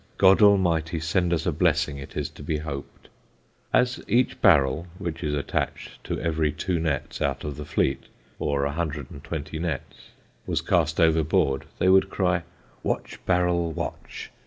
God Almighty send us a blessing it is to be hoped." As each barrel (which is attached to every two nets out of the fleet, or 120 nets) was cast overboard they would cry: Watch, barrel, watch!